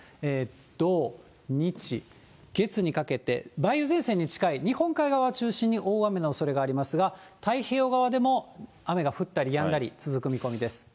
土、日、月にかけて、梅雨前線に近い日本海側を中心に大雨のおそれがありますが、太平洋側でも雨が降ったりやんだり続く見込みです。